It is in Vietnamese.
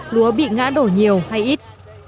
lúa bị ngã đổ nhiều hay ít